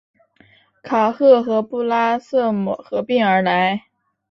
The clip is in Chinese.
卡赫和布拉瑟姆合并而来。